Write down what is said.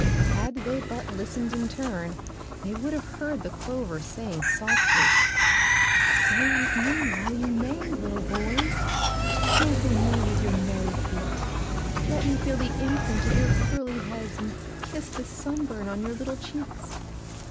Had they but listened in turn they would have heard the clover saying softly: "Stay with me while you may, little boys; trample me with your merry feet; let me feel the imprint of your curly heads and kiss the sunburn on your little cheeks.